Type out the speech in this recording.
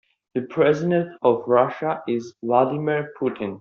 The president of Russia is Vladimir Putin.